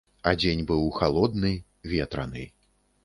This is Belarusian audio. А дзень быў халодны, ветраны.